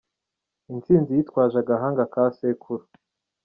intsinzi yitwaje agahanga ka sekuru